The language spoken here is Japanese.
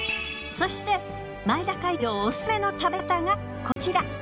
そして前田会長オススメの食べ方がこちら。